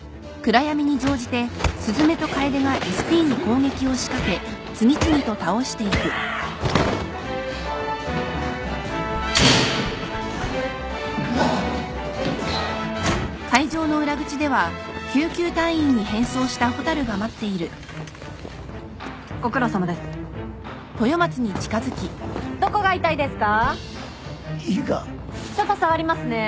ちょっと触りますね。